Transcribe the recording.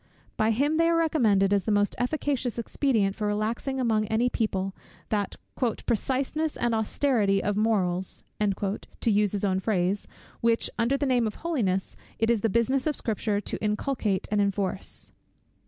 By him they are recommended as the most efficacious expedient for relaxing, among any people, that "preciseness and austerity of morals," to use his own phrase, which, under the name of holiness, it is the business of Scripture to inculcate and enforce.